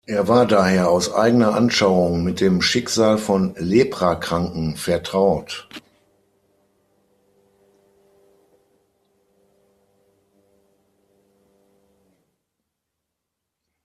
Er war daher aus eigener Anschauung mit dem Schicksal von Leprakranken vertraut.